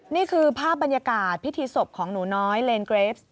นี่คือภาพบรรยากาศพิธีศพของหนูน้อยเลนเกรส